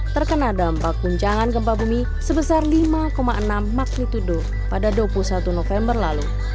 terkena dampak puncangan gempa bumi sebesar lima enam magnitudo pada dua puluh satu november lalu